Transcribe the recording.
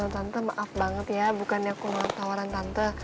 tante maaf banget ya bukannya aku mau tawaran tante